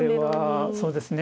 そうですね。